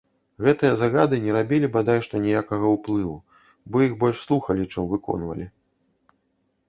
Гэтыя загады не рабілі бадай што ніякага ўплыву, бо іх больш слухалі, чым выкопвалі.